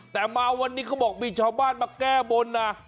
แต่มาวันนี้เขาบอกมีชาวบ้านมาแก้บนนะ